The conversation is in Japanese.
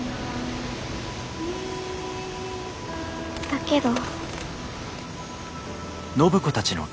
だけど。